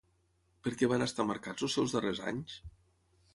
Per què van estar marcats els seus darrers anys?